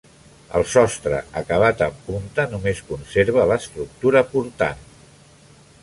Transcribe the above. El sostre, acabat en punta, només conserva l'estructura portant.